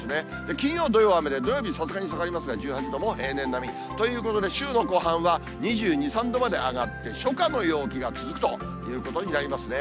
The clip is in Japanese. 金曜、土曜は雨で、土曜はさすがに下がりますが、１８度も平年並みということで、週の後半は２２、３度まで上がって、初夏の陽気が続くということになりますね。